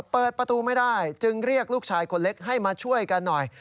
เปิดประตูไม่ได้จึงเรียกลูกชายคนเล็กให้มาช่วยกันหน่อย